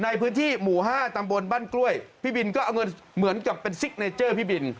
ในพื้นที่หมู่ห้าตำบลบ้านกล้วยพี่บินก็เอาเงินเหมือนกับเป็นซิกเนเจอร์พี่บิน